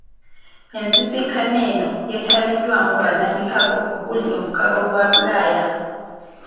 Ensisinkano eno yeetabiddwamu bannamikago okuli omukago gwa Bulaaya.